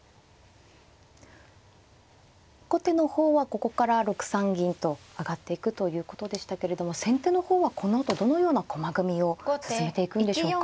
後手の方はここから６三銀と上がっていくということでしたけれども先手の方はこのあとはどのような駒組みを進めていくんでしょうか。